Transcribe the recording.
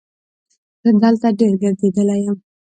زه دلته ډېر ګرځېدلی یم.